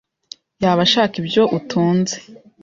yaba ashaka ibyo utunze,